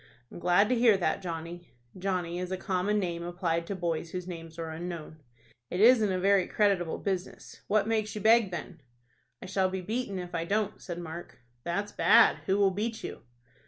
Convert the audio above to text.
"I'm glad to hear that. Johnny." (Johnny is a common name applied to boys whose names are unknown.) "It isn't a very creditable business. What makes you beg, then?" "I shall be beaten if I don't," said Mark. "That's bad. Who will beat you?"